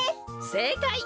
せいかい！